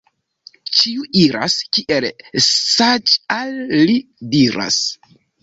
Ĉiu iras, kiel saĝ' al li diras.